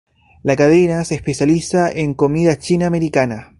La cadena se especializa en comida china americana.